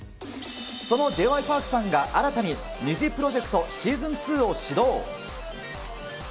そのＪ．Ｙ．Ｐａｒｋさんが、新たにニジプロジェクトシーズン２を始動。